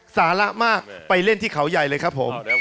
สาระมากไปเล่นที่เขาใหญ่เลยครับผม